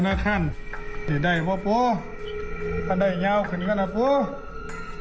น้าท่านดีใดหว่าปูอันใดยาวขึ้นก็นะปู